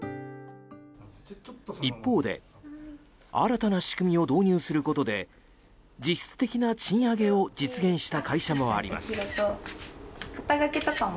一方で新たな仕組みを導入することで実質的な賃上げを実現した会社もあります。